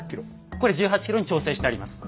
これ１８ｋｇに調整してあります。